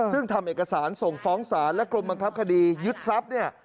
ซึ่งทำเอกสารส่งฟ้องศาลและกรมบังคับคดียึดทรัพย์เนี่ย